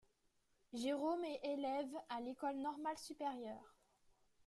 Jérôme est élève à l'École normale supérieure.